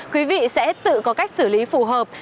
quý vị sẽ tự có cách xử lý phù hợp